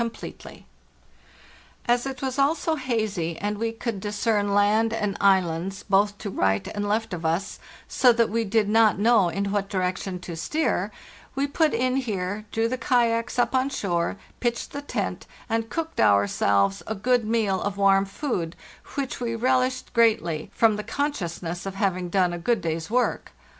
LAND AT LAST 379 could discern land and islands both to right and left of us, so that we did not know in what direction to steer, we put in here, drew the kayaks up on shore, pitched the tent, and cooked ourselves a good meal of warm food, which we relished greatly, from the consciousness of having done a good day's work.